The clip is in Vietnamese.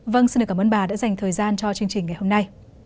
vâng xin cảm ơn bà đã dành thời gian cho chương trình ngày hôm nay